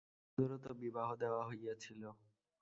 কুন্দরও তো বিবাহ দেওয়া হইয়াছিল।